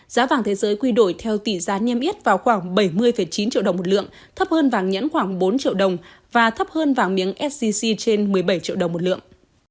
giá vàng thế giới quy đổi theo tỷ giá niêm yết vào khoảng bảy mươi chín triệu đồng một lượng thấp hơn vàng nhẫn khoảng bốn triệu đồng và thấp hơn vàng miếng sgc trên một mươi bảy triệu đồng một lượng